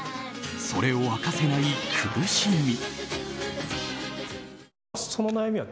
それを明かせない苦しみ。